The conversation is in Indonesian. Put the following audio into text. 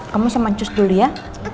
kamu sama cus dulu ya